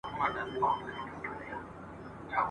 ژړا هېره خنداګاني سوی ښادي سوه !.